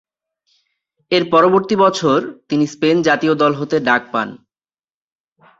এর পরবর্তী বছর, তিনি স্পেন জাতীয় দল হতে ডাক পান।